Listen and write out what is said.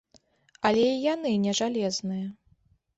Але і яны не жалезныя.